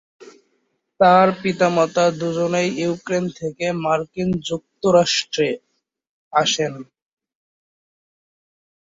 তার পিতামাতা দুজনেই ইউক্রেন থেকে মার্কিন যুক্তরাষ্ট্রে আসেন।